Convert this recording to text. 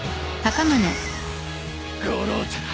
五郎太